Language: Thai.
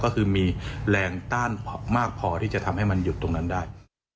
ก็คือมีแรงต้านมากพอที่จะทำให้มันหยุดตรงนั้นได้